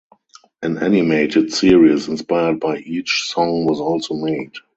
An animated series inspired by each song was also made.